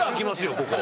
ここ。